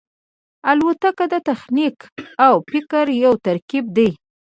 الوتکه د تخنیک او فکر یو ترکیب دی.